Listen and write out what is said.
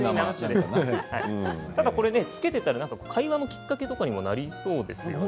つけていたら会話のきっかけにもなりそうですよね。